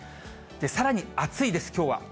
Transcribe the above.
さらに暑いです、きょうは。